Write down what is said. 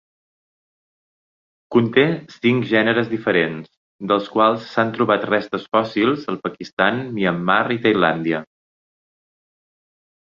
Conté cinc gèneres diferents, dels quals s'han trobat restes fòssils al Pakistan, Myanmar i Tailàndia.